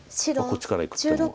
こっちからいく手も。